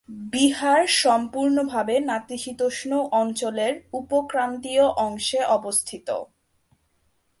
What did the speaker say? বিহার সম্পূর্ণভাবে নাতিশীতোষ্ণ অঞ্চলের উপ -ক্রান্তীয় অংশে অবস্থিত।